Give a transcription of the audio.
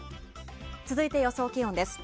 続いて、予想気温です。